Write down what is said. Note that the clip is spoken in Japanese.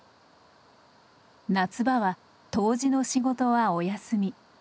夏場は杜氏の仕事はお休み。